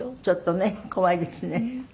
ちょっとね怖いですね。